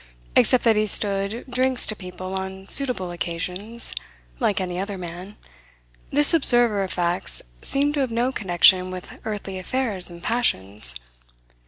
Except that he stood drinks to people on suitable occasions, like any other man, this observer of facts seemed to have no connection with earthly affairs and passions.